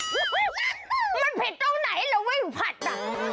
มันผิดตรงไหนล่ะวิ่งผัดอ่ะ